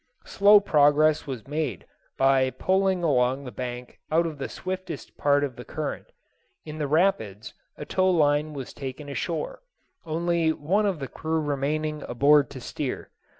Slow progress was made by poling along the bank out of the swiftest part of the current. In the rapids a tow line was taken ashore, only one of the crew remaining aboard to steer.